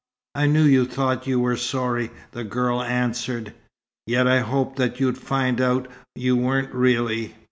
"I knew you thought you were sorry," the girl answered. "Yet I hoped that you'd find out you weren't, really.